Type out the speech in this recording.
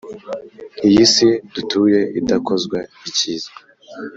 iyi si dutuye idakozwa icyiza